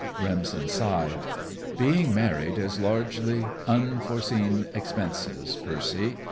Remsen sighed. "Being married is largely unforeseen expenses, Percy.